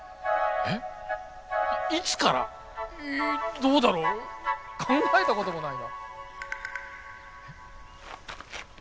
どうだろう考えたこともないな。